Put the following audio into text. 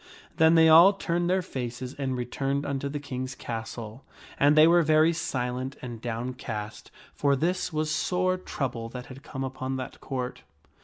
] Then they all turned their faces and returned unto the King's castle ; and they were very silent and downcast, for this was sore trouble that had come upon that Court.